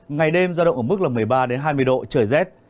ngày đêm ra động ở mức một mươi ba hai mươi độ trời rét